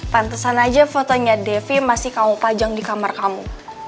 pantesan aja fotonya devi masih kamu pajang di kamar kamu